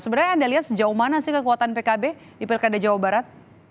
sebenarnya anda lihat sejauh mana sih kekuatan pkb di pilkada jawa barat